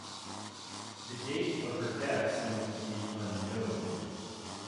The date of her death seems to be unknown.